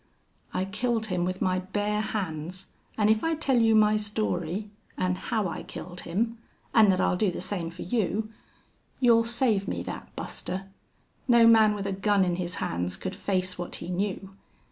I killed him with my bare hands, an' if I tell you my story an' how I killed him an' that I'll do the same for you.... You'll save me that, Buster. No man with a gun in his hands could face what he knew....